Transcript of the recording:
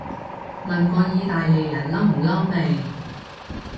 問過意大利人嬲唔嬲未